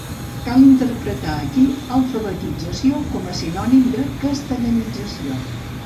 Cal interpretar aquí alfabetització com a sinònim de castellanització.